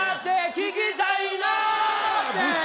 聞きたいなって！